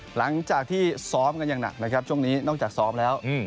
หลังจากที่ซ้อมกันอย่างหนักนะครับช่วงนี้นอกจากซ้อมแล้ว